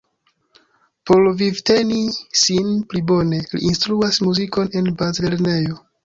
Por vivteni sin pli bone, li instruas muzikon en bazlernejo.